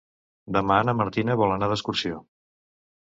Demà na Martina vol anar d'excursió.